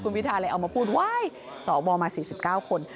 คุณพิทธาเลยเอามาพูดว้ายสอบบอลมา๔๙คน